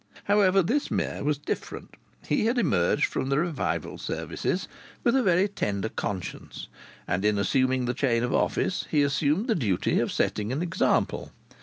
However, this mayor was different. He had emerged from the revival services with a very tender conscience, and in assuming the chain of office he assumed the duty of setting an example.